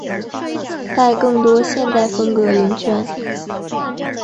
带更多现代风格轮圈。